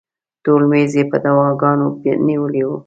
ټول میز یې په دواګانو نیولی و.